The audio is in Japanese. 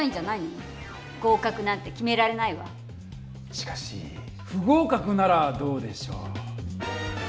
しかし不合かくならどうでしょう？